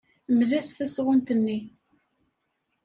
Mel-as tasɣunt-nni.